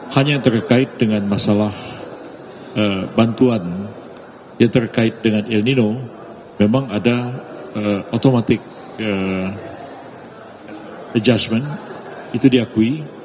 hanya yang terkait dengan masalah bantuan yang terkait dengan el nino memang ada automatic adjustment itu diakui